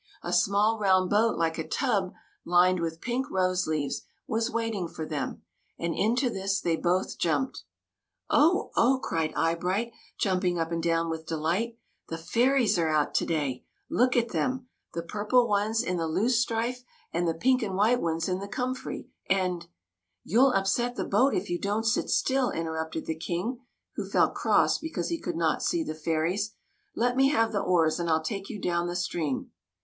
A small round boat like a tub, lined with pink rose leaves, was waiting for them; and into this they both jumped. '' Oh, oh !" cried Eyebright, jumping up and down with delight. ''The fairies are out to day! Look at them — the purple ones in the loosestrife, and the pink and white ones in the comfrey, and —"'' You '11 upset the boat if you don't sit still," interrupted the King, who felt cross because he could not see the fairies. " Let me have the oars and I '11 take you down the stream."